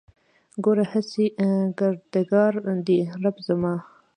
ګوره هسې کردګار دی رب زما